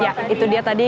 ya itu dia tadi